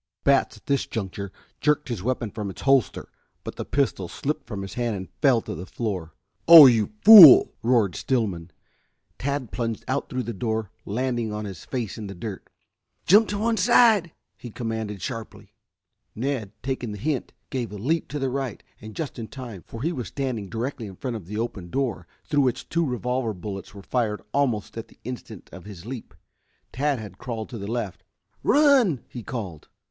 Batts at this juncture jerked his weapon from its holster, but the pistol slipped from his hand and fell to the floor. "Oh, you fool!" roared Stillman. Tad plunged out through the open door, landing on his face in the dirt. "Jump to one side!" he commanded sharply. Ned, taking the hint, gave a leap to the right, and just in time, for he was standing directly in front of the open door, through which two revolver bullets were fired almost at the instant of his leap. Tad had crawled to the left. "Run!" he called.